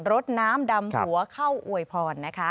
รถน้ำดำหัวเข้าอวยพรนะคะ